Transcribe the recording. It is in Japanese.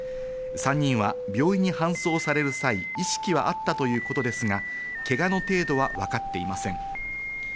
３人は病院に搬送される際、意識はあったということですが、けがの程度はわかっていません。